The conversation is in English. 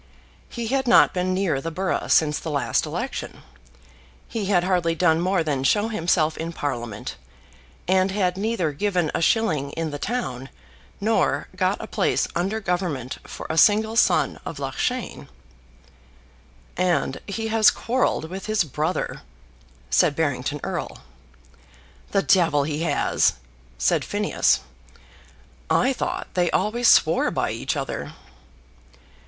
He had not been near the borough since the last election, he had hardly done more than show himself in Parliament, and had neither given a shilling in the town nor got a place under Government for a single son of Loughshane. "And he has quarrelled with his brother," said Barrington Erle. "The devil he has!" said Phineas. "I thought they always swore by each other."